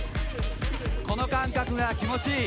この感覚が気持ちいい。